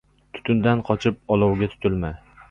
• Tutundan qochib olovga tutilma.